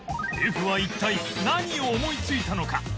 Ｆ は一体何を思いついたのか？